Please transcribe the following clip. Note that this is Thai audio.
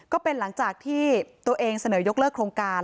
ก็เป็นหลังจากที่ตัวเองเสนอยกเลิกโครงการ